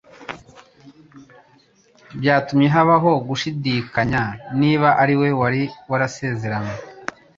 byatumye habaho gushidikanya niba ariwe wari warasezeranywe